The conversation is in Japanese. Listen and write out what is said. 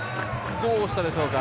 どうしたでしょうか。